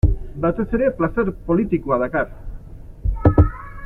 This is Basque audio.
Batez ere, plazer politikoa dakar.